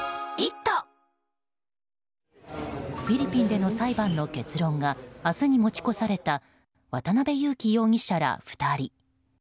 フィリピンでの裁判の結論が明日に持ち越された渡辺優樹容疑者ら２人。